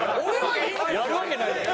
やるわけないだろ！